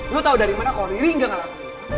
lu tau dari mana kalo riri gak ngelakuin apa